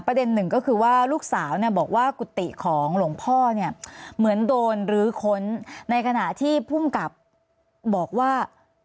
หนึ่งก็คือว่าลูกสาวเนี่ยบอกว่ากุฏิของหลวงพ่อเนี่ยเหมือนโดนรื้อค้นในขณะที่ภูมิกับบอกว่า